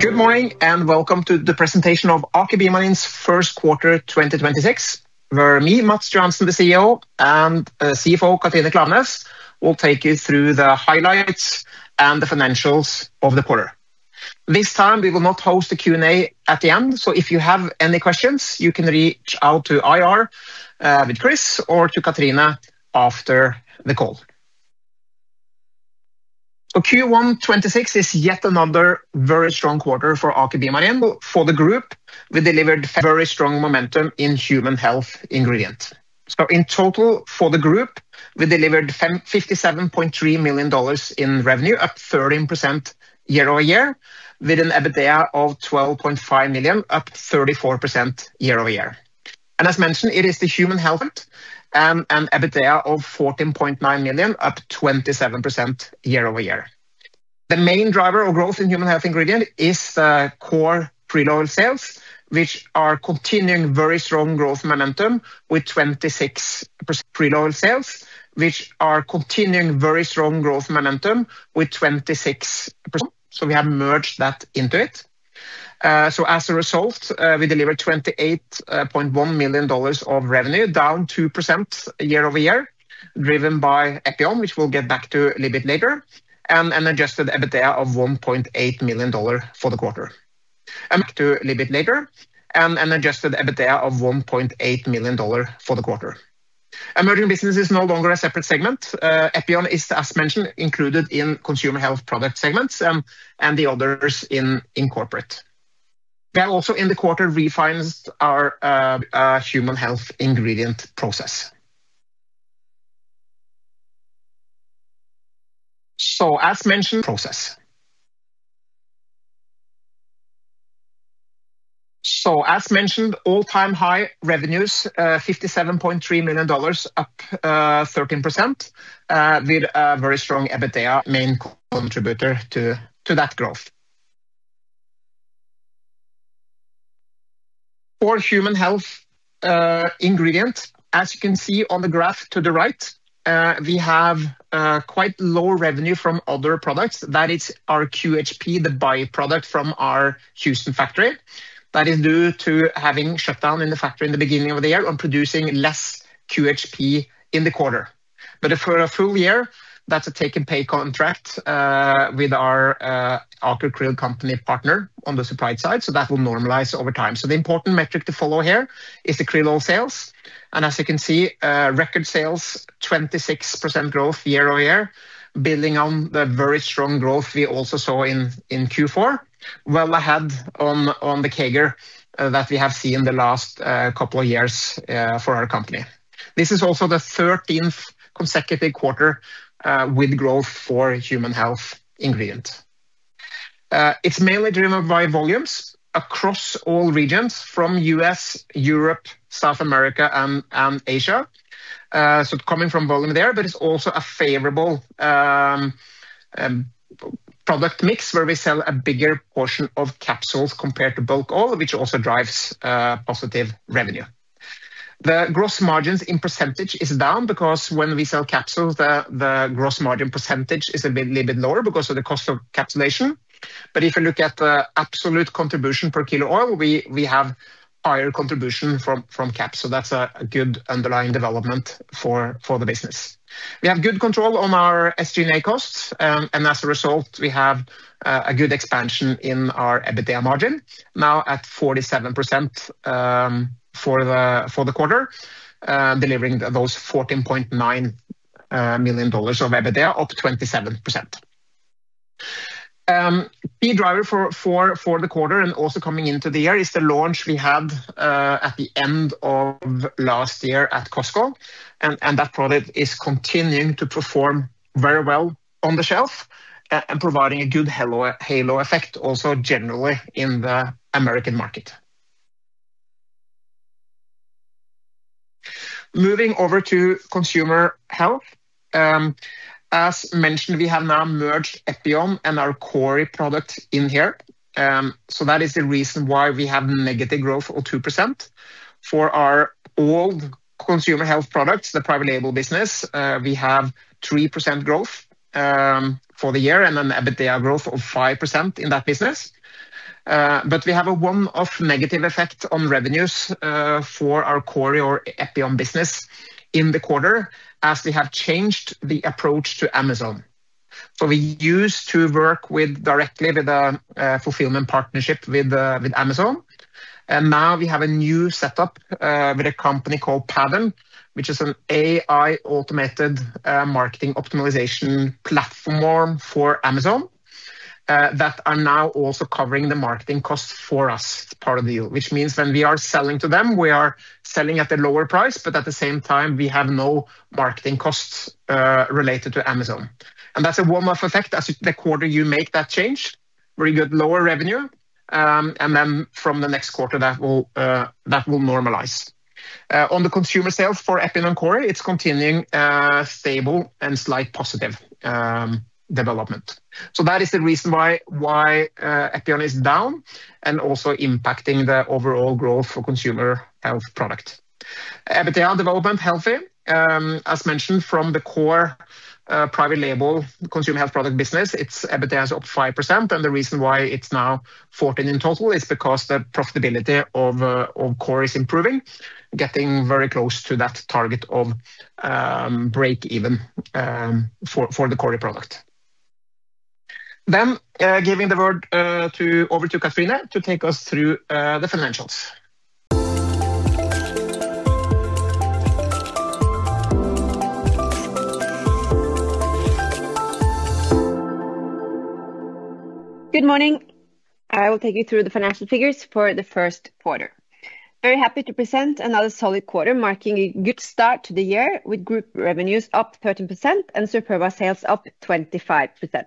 Good morning, and welcome to the presentation of Aker BioMarine's first quarter, 2026, where me, Matts Johansen, the CEO, and CFO Katrine Klaveness will take you through the highlights and the financials of the quarter. This time we will not host a Q&A at the end. If you have any questions, you can reach out to IR with Chris or to Katrine after the call. Q1 2026 is yet another very strong quarter for Aker BioMarine. For the group, we delivered very strong momentum in Human Health Ingredients. In total, for the group, we delivered $57.3 million in revenue, up 13% year-over-year, with an EBITDA of 12.5 million, up 34% year-over-year. As mentioned, it is the Human Health Ingredients and an EBITDA of 14.9 million, up 27% year-over-year. The main driver of growth in Human Health Ingredients is the core krill oil sales, which are continuing very strong growth momentum with 26%. We have merged that into it. As a result, we delivered $28.1 million of revenue, down 2% year-over-year, driven by Epion, which we'll get back to a little bit later, and an adjusted EBITDA of $1.8 million for the quarter. Emerging Businesses is no longer a separate segment. Epion is, as mentioned, included in Consumer Health Products segments and the others in corporate. We have also in the quarter refined our Human Health Ingredients process. As mentioned, all-time high revenues, $57.3 million up 13%, with a very strong EBITDA main contributor to that growth. Human Health Ingredients, as you can see on the graph to the right, we have quite low revenue from other products. That is our QHP, the by-product from our Houston factory. That is due to having shut down in the factory in the beginning of the year and producing less QHP in the quarter. For a full year, that's a take and pay contract with our Aker QRILL Company partner on the supply side, so that will normalize over time. The important metric to follow here is the krill oil sales. As you can see, record sales, 26% growth year-over-year, building on the very strong growth we also saw in Q4. Well ahead on the CAGR that we have seen the last couple of years for our company. This is also the 13th consecutive quarter with growth for Human Health Ingredients. It's mainly driven by volumes across all regions from U.S., Europe, South America, and Asia. Coming from volume there, but it's also a favorable product mix where we sell a bigger portion of capsules compared to bulk oil, which also drives positive revenue. The gross margins in percentage is down because when we sell capsules, the gross margin percentage is a little bit lower because of the cost of capsulation. If you look at the absolute contribution per kilo oil, we have higher contribution from caps, that's a good underlying development for the business. We have good control on our SG&A costs, as a result, we have a good expansion in our EBITDA margin, now at 47%, for the quarter, delivering those $14.9 million of EBITDA, up 27%. Key driver for the quarter and also coming into the year is the launch we had at the end of last year at Costco, and that product is continuing to perform very well on the shelf and providing a good halo effect also generally in the American market. Moving over to Consumer Health. As mentioned, we have now merged Epion and our Kori product in here. That is the reason why we have negative growth of 2%. For our old Consumer Health Products, the private label business, we have 3% growth for the year and an EBITDA growth of 5% in that business. We have a one-off negative effect on revenues for our Kori or Epion business in the quarter as we have changed the approach to Amazon. We used to work with directly with a fulfillment partnership with Amazon. Now we have a new setup with a company called Pattern, which is an AI automated marketing optimization platform for Amazon that are now also covering the marketing costs for us. It's part of the deal. Which means when we are selling to them, we are selling at a lower price, but at the same time, we have no marketing costs related to Amazon. That's a one-off effect. As the quarter you make that change, where you get lower revenue, and then from the next quarter, that will normalize. On the consumer sales for Epion and Kori, it's continuing stable and slight positive development. That is the reason why Epion is down and also impacting the overall growth for Consumer Health Products. EBITDA development healthy. As mentioned from the core, private label Consumer Health Products business, its EBITDA is up 5%, and the reason why it is now 14% in total is because the profitability of Kori is improving, getting very close to that target of break even for the Kori product. Giving the word over to Katrine to take us through the financials. Good morning. I will take you through the financial figures for the first quarter. Very happy to present another solid quarter marking a good start to the year, with group revenues up 13% and Superba sales up 25%.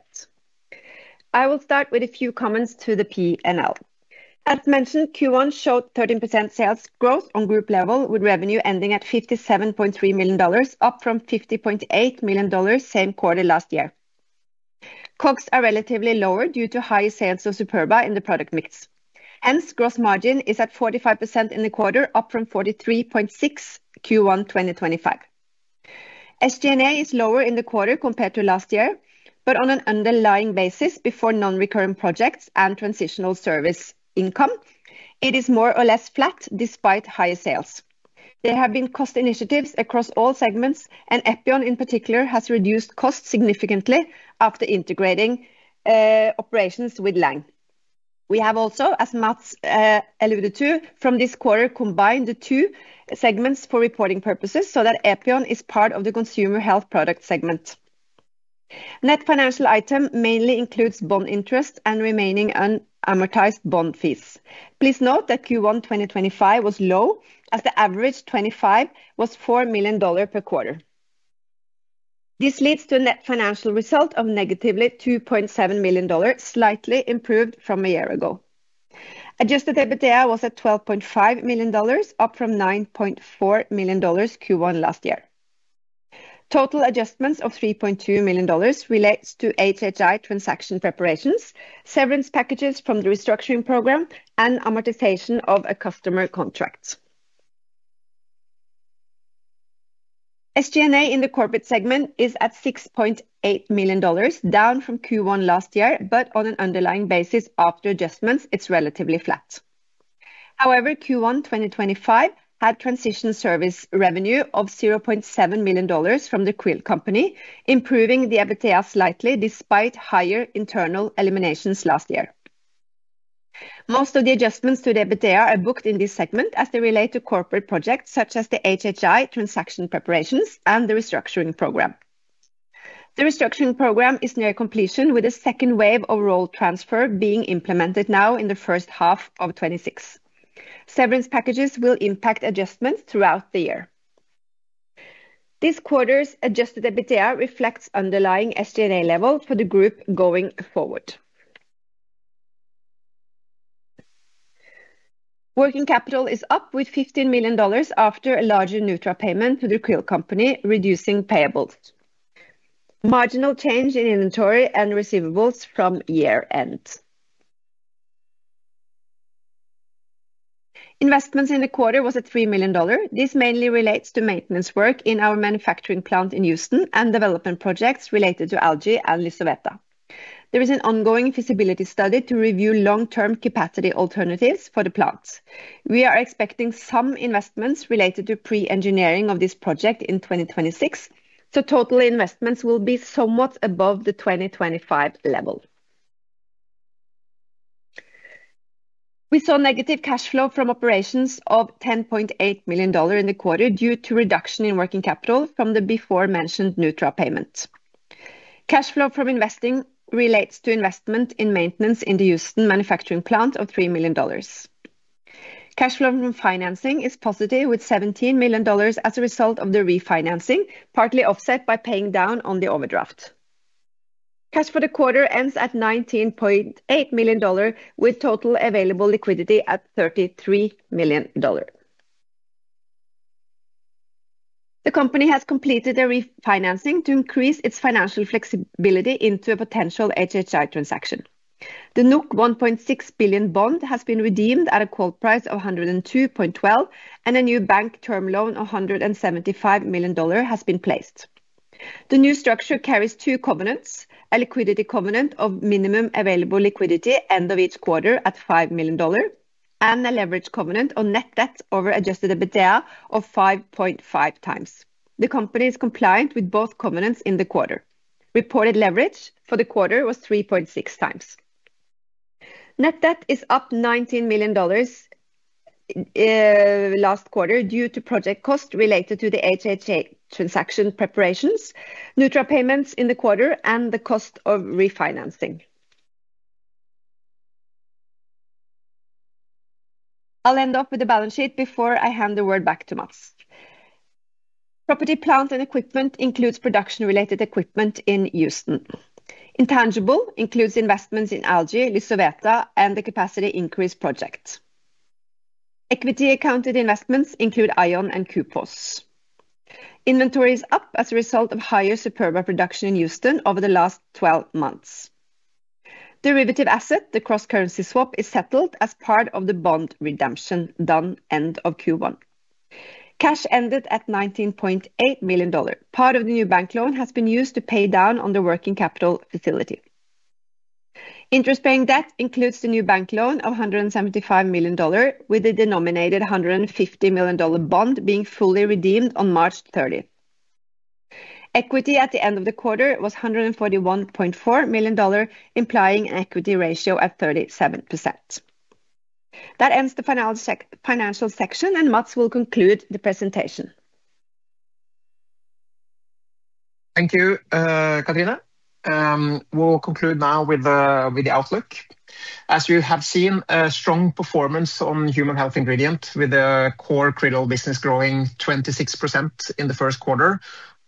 I will start with a few comments to the P&L. As mentioned, Q1 showed 13% sales growth on group level, with revenue ending at $57.3 million, up from $50.8 million same quarter last year. COGS are relatively lower due to higher sales of Superba in the product mix, hence gross margin is at 45% in the quarter, up from 43.6% Q1 2025. SG&A is lower in the quarter compared to last year. On an underlying basis before non-recurrent projects and transitional service income, it is more or less flat despite higher sales. There have been cost initiatives across all segments, and Epion in particular has reduced costs significantly after integrating operations with Lang. We have also, as Matts alluded to, from this quarter combined the two segments for reporting purposes so that Epion is part of the Consumer Health Products segment. Net financial item mainly includes bond interest and remaining unamortized bond fees. Please note that Q1 2025 was low, as the average 25 was NOK 4 million per quarter. This leads to a net financial result of negatively NOK 2.7 million, slightly improved from a year ago. Adjusted EBITDA was at NOK 12.5 million, up from NOK 9.4 million Q1 last year. Total adjustments of NOK 3.2 million relates to HHI transaction preparations, severance packages from the restructuring program, and amortization of a customer contract. SG&A in the corporate segment is at $6.8 million, down from Q1 last year. On an underlying basis after adjustments, it's relatively flat. Q1 2025 had transition service revenue of $0.7 million from the QRILL Company, improving the EBITDA slightly, despite higher internal eliminations last year. Most of the adjustments to the EBITDA are booked in this segment as they relate to corporate projects such as the HHI transaction preparations and the restructuring program. The restructuring program is near completion, with a second wave of role transfer being implemented now in the first half of 2026. Severance packages will impact adjustments throughout the year. This quarter's adjusted EBITDA reflects underlying SG&A level for the group going forward. Working capital is up with $15 million after a larger Nutra payment to the QRILL Company, reducing payables. Marginal change in inventory and receivables from year end. Investments in the quarter was at NOK 3 million. This mainly relates to maintenance work in our manufacturing plant in Houston and development projects related to Algae and Lysoveta. There is an ongoing feasibility study to review long-term capacity alternatives for the plants. We are expecting some investments related to pre-engineering of this project in 2026, so total investments will be somewhat above the 2025 level. We saw negative cash flow from operations of NOK 10.8 million in the quarter due to reduction in working capital from the before mentioned Nutra payment. Cash flow from investing relates to investment in maintenance in the Houston manufacturing plant of NOK 3 million. Cash flow from financing is positive with NOK 17 million as a result of the refinancing, partly offset by paying down on the overdraft. Cash for the quarter ends at NOK 19.8 million, with total available liquidity at NOK 33 million. The company has completed a refinancing to increase its financial flexibility into a potential HHI transaction. The 1.6 billion bond has been redeemed at a call price of 102.12, and a new bank term loan of NOK 175 million has been placed. The new structure carries two covenants: a liquidity covenant of minimum available liquidity end of each quarter at NOK 5 million, and a leverage covenant on net debt over adjusted EBITDA of 5.5x. The company is compliant with both covenants in the quarter. Reported leverage for the quarter was 3.6x. Net debt is up NOK 19 million last quarter due to project cost related to the HHI transaction preparations, Nutra payments in the quarter, and the cost of refinancing. I'll end up with the balance sheet before I hand the word back to Matts. Property, plant and equipment includes production-related equipment in Houston. Intangible includes investments in Algae, Lysoveta, and the capacity increase project. Equity accounted investments include AION and Kupos. Inventory is up as a result of higher Superba production in Houston over the last 12 months. Derivative asset, the cross-currency swap, is settled as part of the bond redemption done end of Q1. Cash ended at NOK 19.8 million. Part of the new bank loan has been used to pay down on the working capital facility. Interest-paying debt includes the new bank loan of $175 million, with the denominated $150 million bond being fully redeemed on March 30th. Equity at the end of the quarter was $141.4 million, implying an equity ratio of 37%. That ends the final financial section, and Matts will conclude the presentation. Thank you, Katrine. We'll conclude now with the outlook. As you have seen, a strong performance on Human Health Ingredients, with the Kori Krill business growing 26% in the first quarter,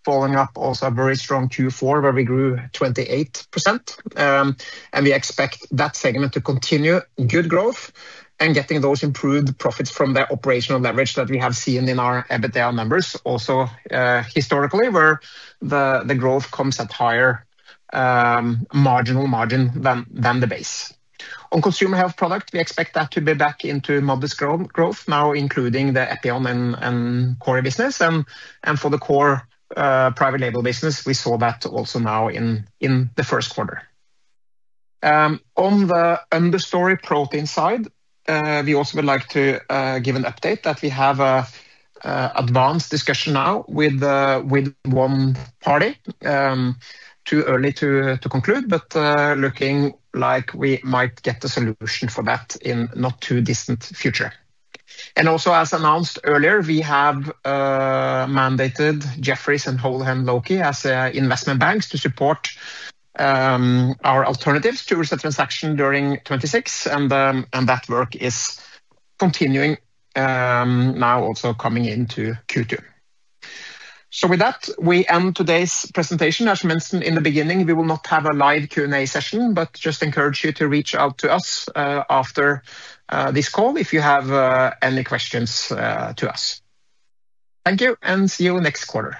following up also a very strong Q4 where we grew 28%. We expect that segment to continue good growth and getting those improved profits from the operational leverage that we have seen in our EBITDA numbers also historically, where the growth comes at higher marginal margin than the base. On Consumer Health Products, we expect that to be back into modest growth now, including the Epion and core business and for the Kori private label business, we saw that also now in the first quarter. On the Understory Protein side, we also would like to give an update that we have an advanced discussion now with one party. Too early to conclude, but looking like we might get the solution for that in not too distant future. Also, as announced earlier, we have mandated Jefferies and Houlihan Lokey as investment banks to support our alternatives to reset transaction during 2026. That work is continuing now also coming into Q2. With that, we end today's presentation. As mentioned in the beginning, we will not have a live Q&A session, but just encourage you to reach out to us after this call if you have any questions to us. Thank you, and see you next quarter.